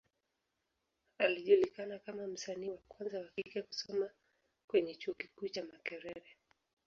Alijulikana kama msanii wa kwanza wa kike kusoma kwenye Chuo kikuu cha Makerere.